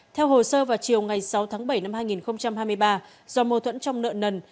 theo hồ sơ vào chiều ngày sáu tháng bảy năm hai nghìn hai mươi ba do mâu thuẫn trong nợ nần